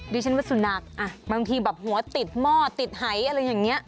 ดิฉันว่าสุนัขบางทีแบบหัวติดหม้อติดหายอะไรอย่างนี้